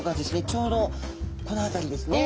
ちょうどこのあたりですね。